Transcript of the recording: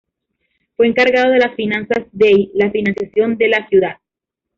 Fue encargado de las finanzas dey la financiación de la ciudad.